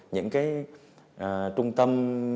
những cái trung tâm